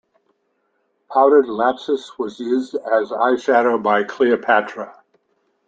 Powdered lapis was used as eyeshadow by Cleopatra.